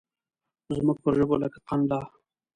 زموږ پر ژبو لکه قند لا